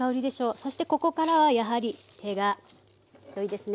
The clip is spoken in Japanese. そしてここからはやはり手がよいですね。